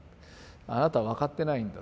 あなた分かってないんだ。